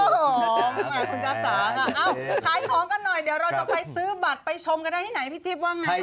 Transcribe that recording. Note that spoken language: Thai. ค้ายของกันหน่อยเดียวเราจะไปซื้อบัตรไปชมกันได้ที่ไหนพี่จิ๊บว่าไงครับ